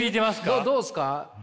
どうすか？